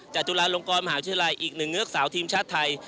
จุฬาลงกรมหาวิทยาลัยอีกหนึ่งเงือกสาวทีมชาติไทย